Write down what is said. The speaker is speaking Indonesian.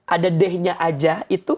ada dehnya aja itu